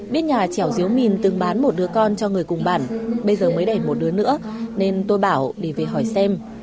biết nhà trẻo diếu mìn từng bán một đứa con cho người cung bản bây giờ mới đẻ một đứa nữa nên tôi bảo để về hỏi xem